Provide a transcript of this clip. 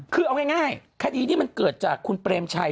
คือเอาง่ายคดีนี้มันเกิดจากคุณเปรมชัย